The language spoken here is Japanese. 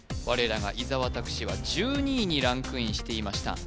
我らが伊沢拓司は１２位にランクインしていました